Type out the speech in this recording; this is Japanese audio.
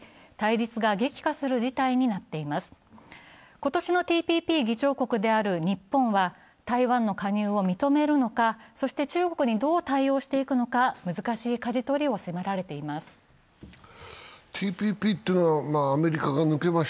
今年のＴＰＰ議長国である日本は台湾の加入を認めるのか、そして中国にどう対応していくのか難しいかじ取りを迫られています。